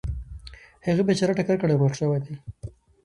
هغه بیچاره ټکر کړی او مړ شوی دی .